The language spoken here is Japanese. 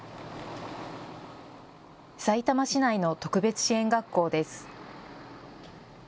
さいたま市内の特別支援学校です。